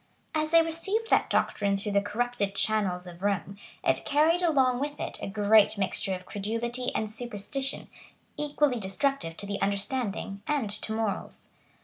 As they received that doctrine through the corrupted channels of Rome, it carried along with it a great mixture of credulity and superstition, equally destructive to the understanding and to morals.